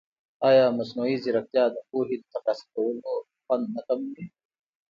ایا مصنوعي ځیرکتیا د پوهې د ترلاسه کولو خوند نه کموي؟